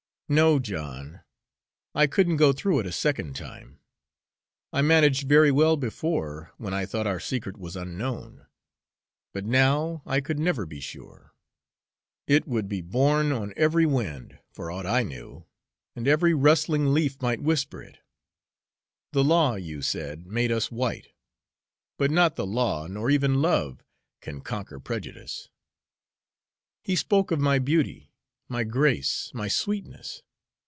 "No, John. I couldn't go through it a second time. I managed very well before, when I thought our secret was unknown; but now I could never be sure. It would be borne on every wind, for aught I knew, and every rustling leaf might whisper it. The law, you said, made us white; but not the law, nor even love, can conquer prejudice. HE spoke of my beauty, my grace, my sweetness!